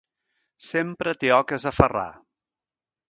Sempre té oques a aferrar!